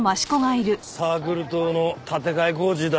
サークル棟の建て替え工事だってよ。